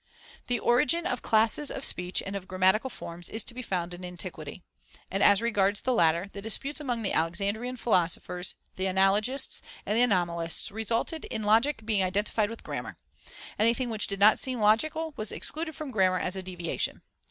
The origin of classes of speech and of grammatical forms is to be found in antiquity, and as regards the latter, the disputes among the Alexandrian philosophers, the analogists, and the anomalists, resulted in logic being identified with grammar. Anything which did not seem logical was excluded from grammar as a deviation.